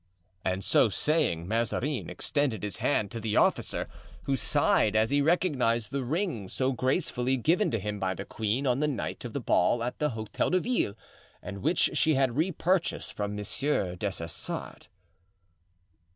And so saying, Mazarin extended his hand to the officer, who sighed as he recognized the ring so gracefully given to him by the queen on the night of the ball at the Hotel de Ville and which she had repurchased from Monsieur des Essarts.